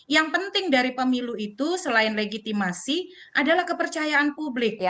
yang penting dari pemilu itu selain legitimasi adalah kepercayaan publik